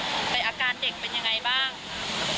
แล้วอาการเด็กเป็นอย่างไรบ้าง